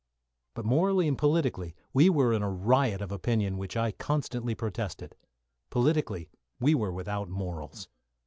But, morally and politically, we were in a riot of opinion against which I constantly protested. Politically, we were without morals.